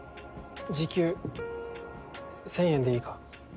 時給１０００円でいいか？